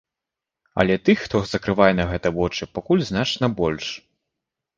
Але тых, хто закрывае на гэта вочы, пакуль значна больш.